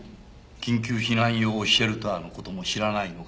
緊急避難用シェルターの事も知らないのか？